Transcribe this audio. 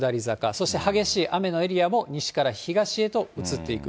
そして激しい雨のエリアも、西から東へと移っていく。